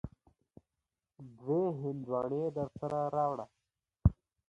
دوې هندواڼی درسره راوړه.